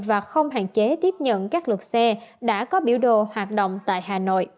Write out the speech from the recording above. và không hạn chế tiếp nhận các lượt xe đã có biểu đồ hoạt động tại hà nội